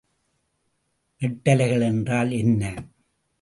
நெட்டலைகள் என்றால் என்ன?